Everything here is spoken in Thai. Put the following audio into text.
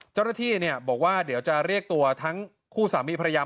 เจ้าหน้าที่บอกว่าเดี๋ยวจะเรียกตัวทั้งคู่สามีภรรยา